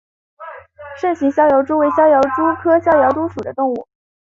肾形逍遥蛛为逍遥蛛科逍遥蛛属的动物。